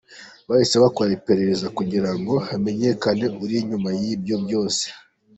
Bahise bakora iperereza kugira ngo hamenyekane uri inyuma y’ibyo byose.